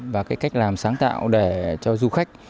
và cách làm sáng tạo để cho du khách